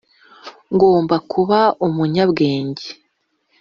ngomba kuba umunyabwenge